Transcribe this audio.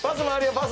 パス。